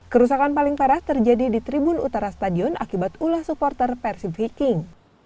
kerusakan paling parah terjadi di tribun utara stadion akibat ulah supporter persib viking